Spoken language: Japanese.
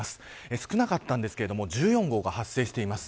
少なかったんですけれども１４号が発生しています。